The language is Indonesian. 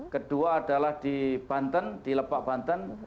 kedua adalah di banten di lepak banten